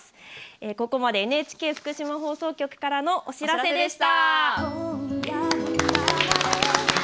ここまでＮＨＫ福島放送局からのお知らせでした。